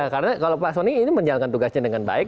karena kalau pak soni ini menjalankan tugasnya dengan baik